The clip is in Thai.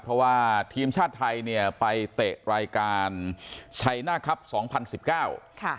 เพราะว่าทีมชาติไทยเนี่ยไปเตะรายการชัยหน้าครับสองพันสิบเก้าค่ะ